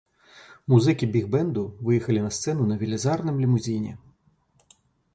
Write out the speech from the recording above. Музыкі біг-бэнду выехалі на сцэну на велізарным лімузіне.